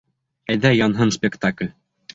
Әйҙә, янһын спектакль!